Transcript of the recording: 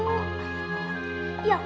dah dah dah